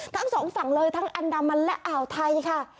ทั้งสองฝั่งเลยทั้งอันดามันและอ่าวไทยค่ะ